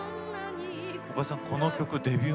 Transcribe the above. おかゆさんこの曲、デビュー